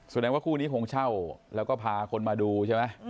แสดงว่าคู่นี้คงเช่าแล้วก็พาคนมาดูใช่ไหม